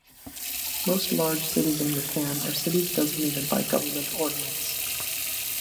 Most large cities in Japan are cities designated by government ordinance.